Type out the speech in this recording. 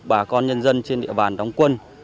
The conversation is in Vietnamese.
bà con nhân dân trên địa bàn đóng quân